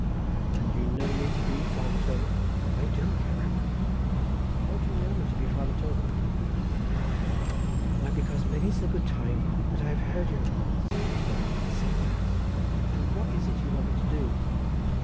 "And you know me to be Father Toban?" "I do, your reverence." "How do you know me to be Father Toban?" "Och, why because many's the good time that I have heard your reverence, Father Toban, say mass." "And what is it you want me to do?"